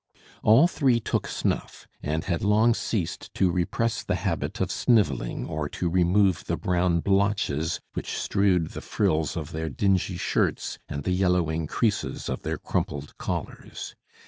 All three took snuff, and had long ceased to repress the habit of snivelling or to remove the brown blotches which strewed the frills of their dingy shirts and the yellowing creases of their crumpled collars.